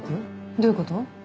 どういうこと？